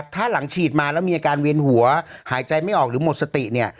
ถ้าหลังฉีดมาแล้วมีอาการเวียนหัวหายใจไม่ออกหรือหมดสติเนี่ย